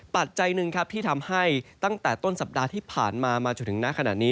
ปัจจัยหนึ่งครับที่ทำให้ตั้งแต่ต้นสัปดาห์ที่ผ่านมามาจนถึงหน้าขนาดนี้